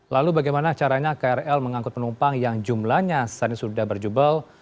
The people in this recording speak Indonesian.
lalu bagaimana caranya krl mengangkut penumpang yang jumlanya sehari hari sudah berjubel